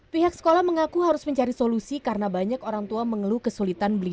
pihak sekolah mengaku harus mencari solusi karena banyak orang tua mengeluh kesulitan beli